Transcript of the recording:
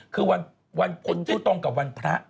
คือวันพุธที่ตรงกับวันพระ